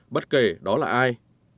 bất kể đó là ai